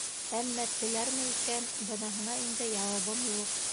Әммә теләрме икән, быныһына инде яуабым юҡ.